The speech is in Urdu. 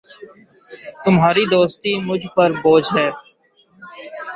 تمہاری دوستی مجھ پر بوجھ ہے